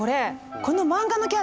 この漫画のキャラ！